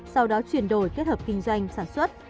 sau đó chuyển đổi kết hợp kinh doanh sản xuất